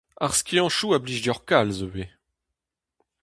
Ar skiantoù a blij deoc'h kalz ivez.